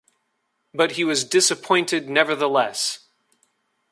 But he was disappointed nevertheless.